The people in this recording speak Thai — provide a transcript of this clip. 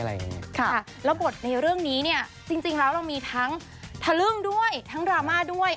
แล้วบทในเรื่องนี้เนี่ยจริงแล้วเรามีทั้งทะลึ่งด้วยทั้งดราม่าด้วย